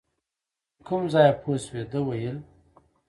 له کوم ځایه پوه شوې، ده ویل .